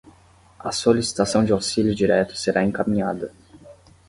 A solicitação de auxílio direto será encaminhada